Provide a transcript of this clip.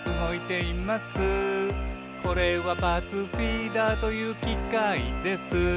「これはパーツフィーダーというきかいです」